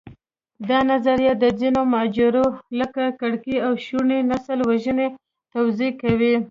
دا نظریه د ځینو ماجراوو، لکه کرکې او شونې نسلوژنې توضیح کوي.